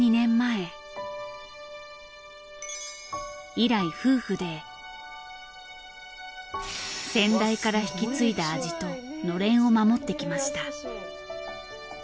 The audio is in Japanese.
以来夫婦で先代から引き継いだ味と暖簾を守ってきました。